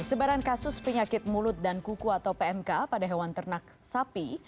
sebaran kasus penyakit mulut dan kuku atau pmk pada hewan ternak sapi